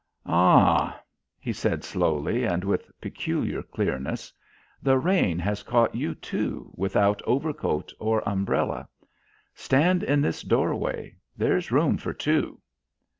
"Ah," he said slowly, and with peculiar clearness, "the rain has caught you too, without overcoat or umbrella. Stand in this doorway there is room for two."